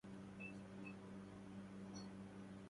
أنا أعتني بجيم.